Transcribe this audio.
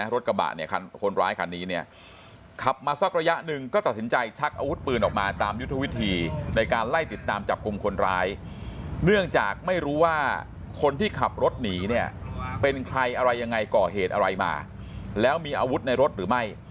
รถกระบะคันคนร้ายคันนี้ขับมาสักระยะหนึ่งก็ตัดสินใจชักอาวุธปืนออกมา